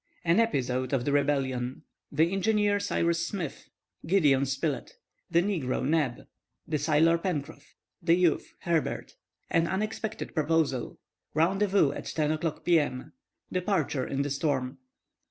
AN EPISODE OF THE REBELLION THE ENGINEER CYRUS SMITH—GIDEON SPILETT—THE NEGRO NEB—THE SAILOR PENCROFF—THE YOUTH, HERBERT—AN UNEXPECTED PROPOSAL—RENDEZVOUS AT 10 O'CLOCK P.M.—DEPARTURE IN THE STORM.